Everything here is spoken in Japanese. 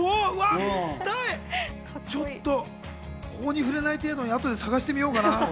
ちょっと法に触れない程度に後で探してみようかな。